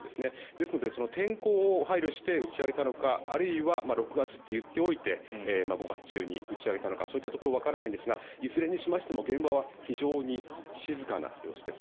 ですので、天候を配慮して打ち上げたのかあるいは６月と言っておいて５月中に打ち上げたのかそういったところはわからないんですがいずれにしても現場は非常に静かな様子です。